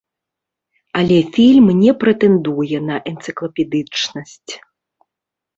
Але фільм не прэтэндуе на энцыклапедычнасць.